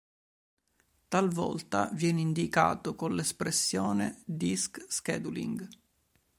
Talvolta viene indicato con l'espressione disk scheduling.